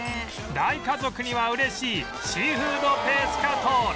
大家族には嬉しいシーフードペスカトーレ